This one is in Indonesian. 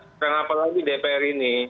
sekarang apalagi dpr ini